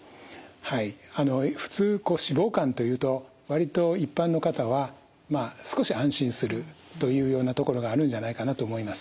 はい普通脂肪肝というと割と一般の方はまあ少し安心するというようなところがあるんじゃないかなと思います。